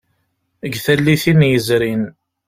Deg tallitin yezrin.